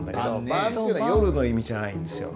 「晩」っていうのは夜の意味じゃないんですよ。